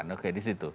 oke di situ